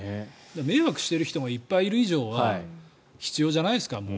迷惑している人がいっぱいいる以上は必要じゃないですか。